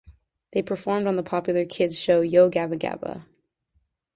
They performed on the popular kids' show Yo Gabba Gabba!